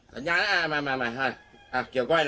สัญญานะมามามา